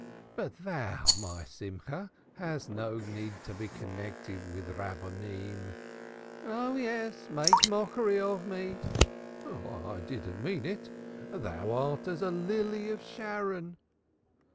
"But thou, my Simcha, hadst no need to be connected with Rabbonim!" "Oh, yes; make mockery of me." "I mean it. Thou art as a lily of Sharon."